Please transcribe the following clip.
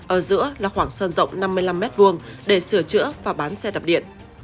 ở giữa là khoảng sân rộng năm mươi năm m hai để sửa chữa và bán xe đập điện